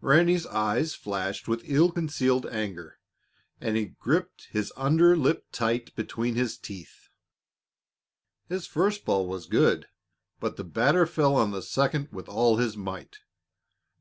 Ranny's eyes flashed with ill concealed anger, and he gripped his under lip tight between his teeth. His first ball was good, but the batter fell on the second with all his might.